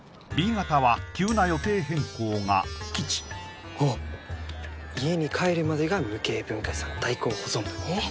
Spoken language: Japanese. Ｂ型は急な予定変更が吉あっ家に帰るまでが無形文化遺産代行保存部えっ？